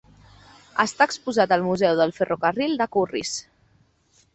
Està exposat al museu del ferrocarril de Corris.